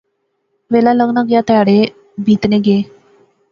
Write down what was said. ویلا لنگنا گیا۔ تہاڑے بیتنے گئے